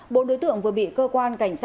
bộ đối tượng vừa bị cơ quan cảnh sát